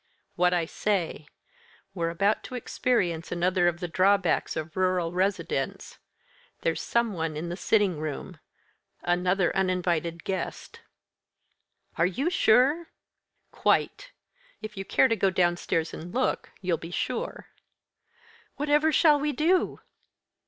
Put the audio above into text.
"What I say. We're about to experience another of the drawbacks of rural residence. There's some one in the sitting room another uninvited guest." "Are you sure?" "Quite. If you care to go downstairs and look, you'll be sure." "Whatever shall we do?"